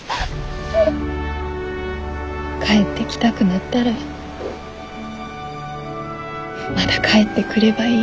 帰ってきたくなったらまた帰ってくればいい。